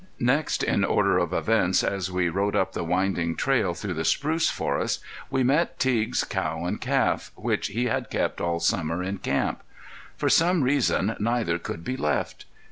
Next in order of events, as we rode up the winding trail through the spruce forest, we met Teague's cow and calf, which he had kept all summer in camp. For some reason neither could be left.